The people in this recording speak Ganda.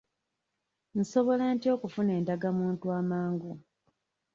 Nsobola ntya okufuna ndagamuntu amangu?